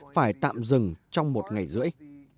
phải tạm dừng trong một ngày rưỡi